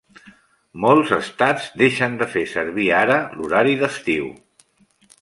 Molts estats deixen de fer servir ara l'horari d'estiu.